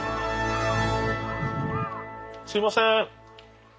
すいません。